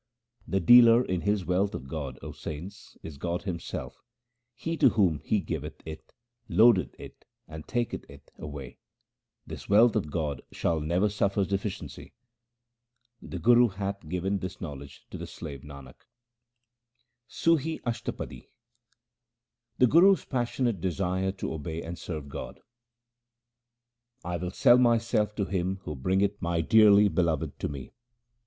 The dealer in this wealth of God, O saints, is God Him self ; he to whom He giveth it, loadeth it and taketh it away. This wealth of God shall never suffer deficiency ; the Guru hath given this knowledge to the slave Nanak. Sum Ashtapadi The Guru's passionate desire to obey and serve God :— I will sell myself to him who bringeth my dearly Beloved to me.